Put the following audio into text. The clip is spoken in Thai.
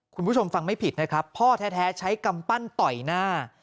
คุณผู้ชมฟังไม่ผิดนะครับพ่อแท้ใช้กำปั้นต่อยหน้า